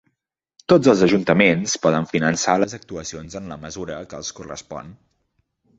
Tots els ajuntaments poden finançar les actuacions en la mesura que els correspon.